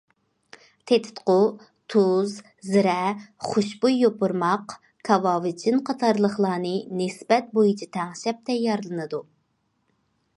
تېتىتقۇ تۇز، زىرە، خۇشبۇي يوپۇرماق، كاۋاۋىچىن قاتارلىقلارنى نىسبەت بويىچە تەڭشەپ تەييارلىنىدۇ.